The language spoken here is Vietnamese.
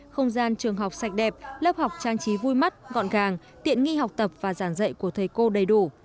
không gian trường học sạch đẹp lớp học trang trí vui mắt gọn gàng tiện nghi học tập và giảng dạy của thầy cô đầy đủ